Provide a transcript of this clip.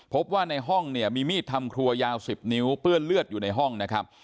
พบว่าในห้องเนี่ยมีมีดทำครัวยาว๑๐นิ้วเปื้อนเลือดอยู่ในห้องนะครับ